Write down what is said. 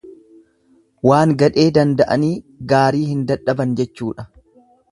Waan gadhee danda'anii gaarii hin dadhaban jechuudha.